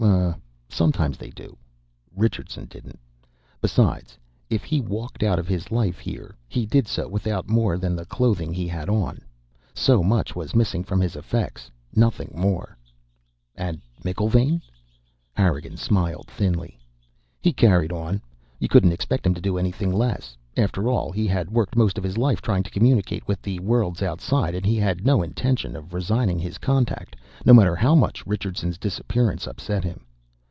"Oh, sometimes they do. Richardson didn't. Besides, if he walked out of his life here, he did so without more than the clothing he had on. So much was missing from his effects, nothing more." "And McIlvaine?" Harrigan smiled thinly. "He carried on. You couldn't expect him to do anything less. After all, he had worked most of his life trying to communicate with the worlds outside, and he had no intention of resigning his contact, no matter how much Richardson's disappearance upset him.